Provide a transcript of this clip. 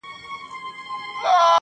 تك سپين زړگي ته دي پوښ تور جوړ كړی~